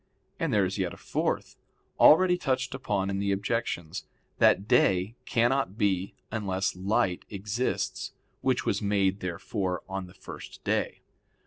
And there is yet a fourth, already touched upon in the objections; that day cannot be unless light exists, which was made therefore on the first day.